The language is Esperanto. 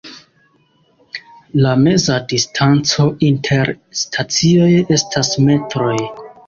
La meza distanco inter stacioj estas metroj.